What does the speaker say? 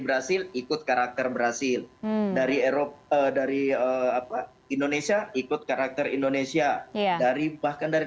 brazil ikut karakter brazil dari eropa dari apa indonesia ikut karakter indonesia dari bahkan dari